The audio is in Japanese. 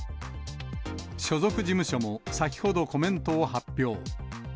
所属事務所も先ほどコメントを発表。